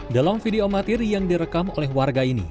dalam video amatir yang direkam oleh warga ini